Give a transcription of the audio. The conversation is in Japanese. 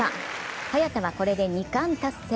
早田はこれで２冠達成。